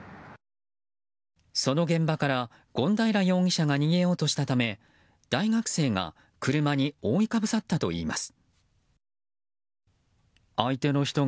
その現場から権平容疑者が逃げようとしたため大学生が車に覆いかぶさったといいます。